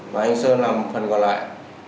và anh sơn làm phần còn lại